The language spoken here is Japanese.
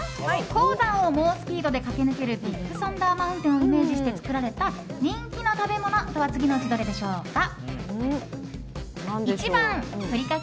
鉱山を猛スピードで駆け抜けるビッグサンダー・マウンテンをイメージして作られた人気の食べ物とは次のうちどれでしょうか？